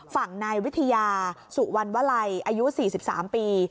ฝั่งนายวิทยาสุวรรณวลัยอายุ๔๓ปี